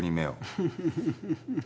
フフフフフフ。